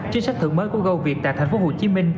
chính sách thưởng mới của goviet tại tp hcm